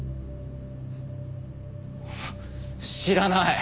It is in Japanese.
知らない。